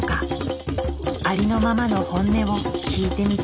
ありのままの本音を聞いてみた。